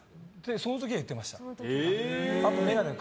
その時は言ってました。